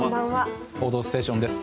「報道ステーション」です。